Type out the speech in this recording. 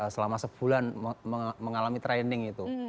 selama sebulan mengalami training itu